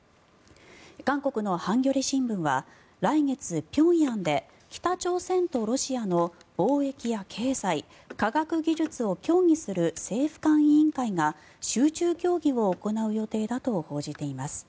韓国のハンギョレ新聞は来月、平壌で北朝鮮とロシアの貿易や経済科学技術を協議する政府間委員会が集中協議を行う予定だと報じています。